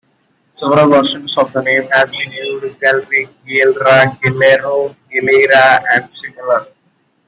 Several versions of the name have been used: "Gelre, Gielra, Gellero, Gelera" and similar.